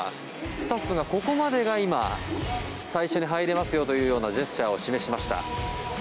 スタッフがここまでが今最初に入れますよというようなジェスチャーを示しました。